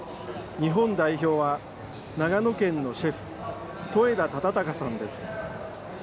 日本代表は長野県のシェフ、戸枝忠孝さんです。